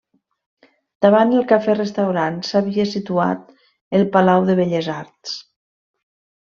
Davant el cafè restaurant s'havia situat el palau de Belles Arts.